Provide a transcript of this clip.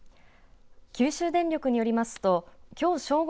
九州電力によりますときょう正